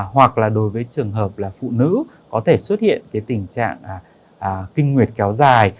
hoặc là đối với trường hợp là phụ nữ có thể xuất hiện cái tình trạng kinh nguyệt kéo dài